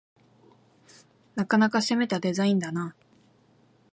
なかなか攻めたデザインだな